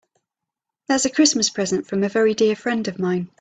That's a Christmas present from a very dear friend of mine.